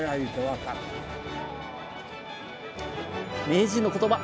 ⁉名人の言葉